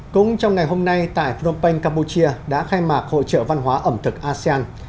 cũng trong ngày hôm nay tại phnom penh campuchia đã khai mạc hội trợ văn hóa ẩm thực asean